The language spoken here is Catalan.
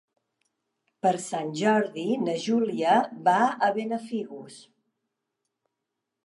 Per Sant Jordi na Júlia va a Benafigos.